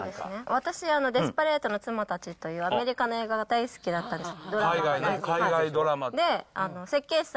私、デスパレートな妻たちというアメリカの映画が大好きだったんです。